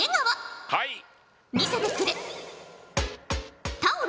はい。